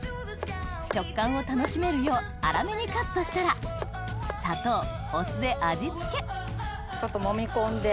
食感を楽しめるよう粗めにカットしたら砂糖お酢で味付けちょっともみ込んで。